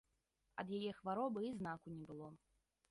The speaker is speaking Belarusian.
Ад яе хваробы і знаку не было.